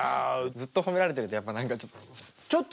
ずっと褒められてると何かちょっと。